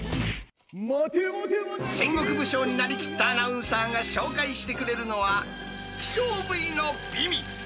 戦国武将になりきったアナウンサーが紹介してくれるのは、希少部位の美味。